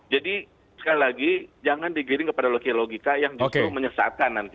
jadi sekali lagi jangan digiring kepada logika logika yang justru menyesatkan nanti